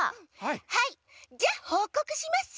はいじゃあほうこくします。